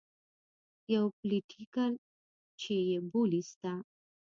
يو پوليټيکل چې يې بولي سته.